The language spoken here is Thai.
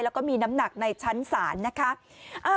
แล้วก็มีน้ำหนักในชั้นศาลนะคะ